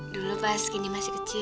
dulu pas gini masih kecil